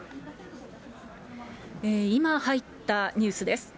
今入ったニュースです。